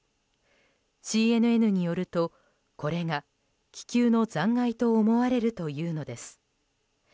ＣＮＮによるとこれが気球の残骸と思われるというのです。